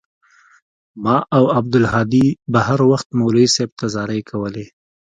ما او عبدالهادي به هروخت مولوى صاحب ته زارۍ کولې.